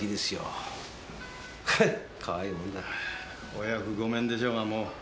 お役ごめんでしょうがもう。